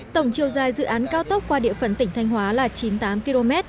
tổng chiều dài dự án cao tốc qua địa phần tỉnh thanh hóa là chín mươi tám km